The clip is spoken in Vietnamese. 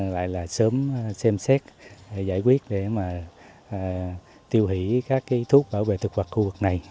lại là sớm xem xét giải quyết để mà tiêu hủy các cái thuốc bảo vệ thực vật khu vực này